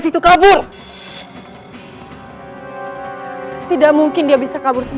tapi sama ada pasangan yang